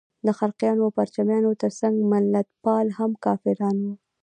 د خلقیانو او پرچمیانو تر څنګ ملتپال هم کافران وو.